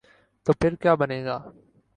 تو پھر کیابنے گا؟